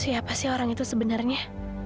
siapa sih orang itu sebenarnya